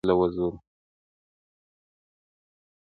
چي لمبې یې پورته کیږي له وزرو٫